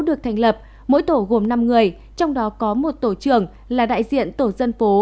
được thành lập mỗi tổ gồm năm người trong đó có một tổ trưởng là đại diện tổ dân phố